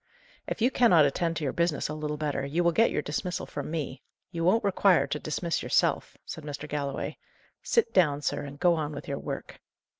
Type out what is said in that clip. "If you cannot attend to your business a little better, you will get your dismissal from me; you won't require to dismiss yourself," said Mr. Galloway. "Sit down, sir, and go on with your work."